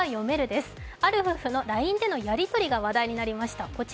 ある夫婦のＬＩＮＥでのやりとりが話題となりました。